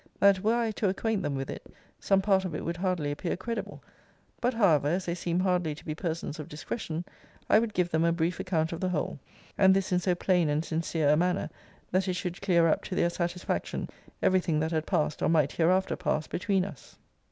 That, were I to acquaint them with it, some part of it would hardly appear credible. But, however, as they seemed hardly to be persons of discretion, I would give them a brief account of the whole; and this in so plain and sincere a manner, that it should clear up, to their satisfaction, every thing that had passed, or might hereafter pass between us.